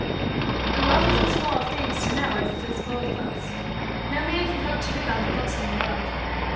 The world is as full of things to know as it is full of hooks, No man can hope to read all the books in the world.